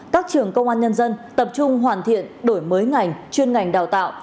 các trường công an nhân dân tập trung hoàn thiện đổi mới ngành chuyên ngành đào tạo